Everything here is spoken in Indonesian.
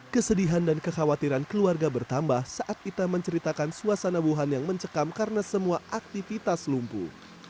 kesedihan dan kekhawatiran keluarga bertambah saat ita menceritakan suasana wuhan yang mencekam karena semua aktivitas lumpuh